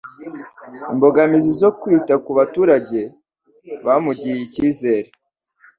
imbogamizi zo kwita ku baturage bamugiriye icyizere